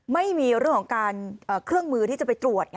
ไม่มีเรื่องของการเครื่องมือที่จะไปตรวจ